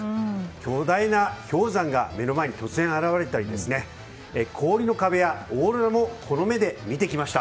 巨大な氷山が目の前に突然現れたり氷の壁やオーロラもこの目で見てきました。